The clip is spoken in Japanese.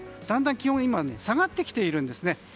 だんだん気温が下がってきているんですね。